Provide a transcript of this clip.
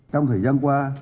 trong thời gian qua